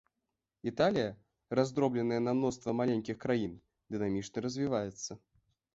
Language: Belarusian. Італія, раздробленая на мноства маленькіх краін, дынамічна развіваецца.